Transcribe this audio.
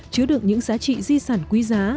chứa được những giá trị di sản quý giá